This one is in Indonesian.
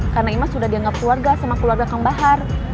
karena imas sudah dianggap keluarga sama keluarga kang bahar